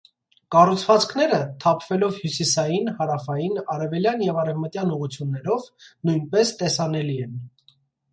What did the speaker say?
Կառուցվածքները՝ թափվելով հյուսիսային, հարավային, արևելյան և արևմտյան ուղղություններով նույնպես տեսանելի են։